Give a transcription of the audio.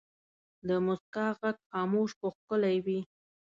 د مسکا ږغ خاموش خو ښکلی وي.